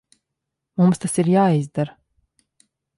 Mums tas ir jāizdara.